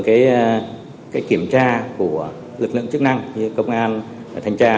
kiểm tra của lực lượng chức năng như công an thành tra